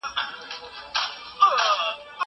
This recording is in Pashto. زه هره ورځ موبایل کاروم!!